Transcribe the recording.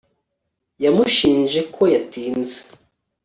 yamushinje ko yatinze